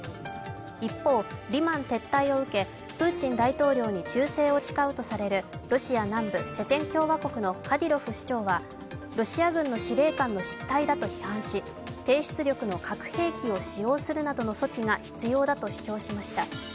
一方、リマン撤退を受けプーチン大統領に忠誠を誓うとされるロシア南部・チェチェン共和国のカディロフ首長はロシア軍の司令官の失態だと批判し、低出力の核兵器を使用するなどの措置が必要だと主張しました。